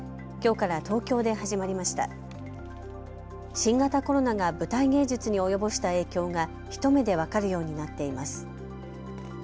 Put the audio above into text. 新型コロナが舞台芸術に及ぼした影響が一目で分かるようになっています。